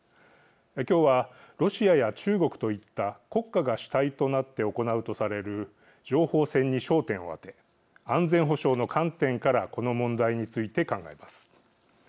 今日は、ロシアや中国といった国家が主体となって行うとされる情報戦に焦点を当て安全保障の観点からこの問題について考えます。